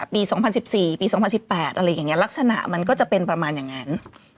ปี๒๐๑๔ปี๒๐๑๘หลักสร้างมันก็จะเป็นประมาณอย่างนั้น